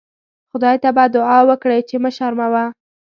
خدای ته به دوعا وکړئ چې مه شرموه.